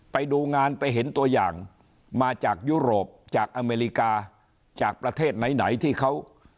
ไปดูงานไปเห็นตัวอย่างมาจากยุโรปจากอเมริกาจากประเทศไหนไหนที่เขา